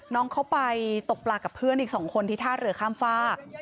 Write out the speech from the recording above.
น้องเขาไปตกปลากับเพื่อนอีก๒คนที่ท่าเรือข้ามฝาก